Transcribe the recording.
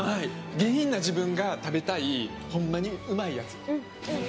下品な自分が食べたいほんまにうまいやつ。